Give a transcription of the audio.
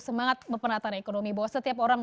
semangat penataan ekonomi bahwa setiap orang